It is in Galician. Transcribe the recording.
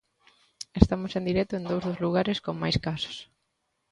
Estamos en directo en dous dos lugares con máis casos.